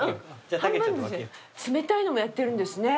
冷たいのもやってるんですね。